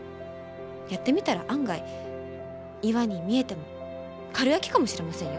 やってみたら案外岩に見えてもかるやきかもしれませんよ。